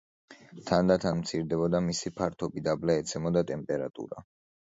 თანდათან მცირდებოდა მისი ფართობი, დაბლა ეცემოდა ტემპერატურა.